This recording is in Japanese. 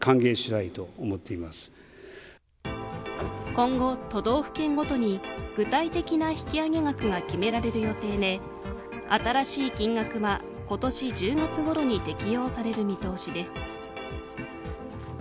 今後、都道府県ごとに具体的な引き上げ額が決められる予定で新しい金額は今年１０月ごろに適用される見通しです。